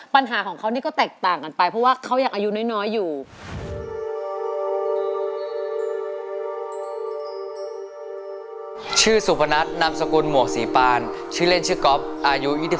ปัญหาของเขานี่ก็แตกต่างกันไปเพราะว่าเขายังอายุน้อยอยู่